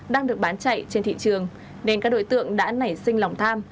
đang được bán chạy trên thị trường nên các đối tượng đã nảy sinh lòng tham